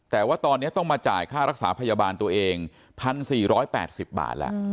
แต่ว่าตอนนี้ต้องมาจ่ายค่ารักษาพยาบาลตัวเอง๑๔๘๐บาทแล้ว